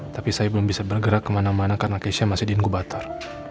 tapi saya belum bisa bergerak kemana mana karena keisha masih di inkubator